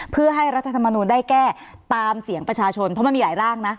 เพื่อให้รัฐธรรมนูลได้แก้ตามเสียงประชาชนเพราะมันมีหลายร่างนะ